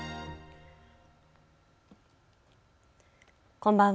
こんばんは。